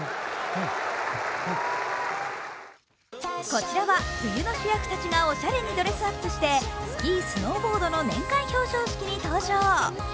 こちらは冬の主役たちがおしゃれにドレスアップしてスキー・スノーボードの年間表彰式に登場。